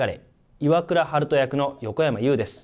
岩倉悠人役の横山裕です。